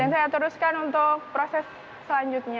dan saya teruskan untuk proses selanjutnya